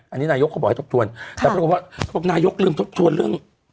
อันนี้นายกเขาบอกให้ทบทวนแต่เพราะว่านายกเรื่องทบทวนเรื่อง